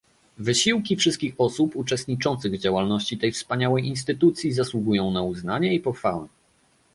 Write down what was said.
Wysiłki wszystkich osób uczestniczących w działalności tej wspaniałej instytucji zasługują na uznanie i pochwałę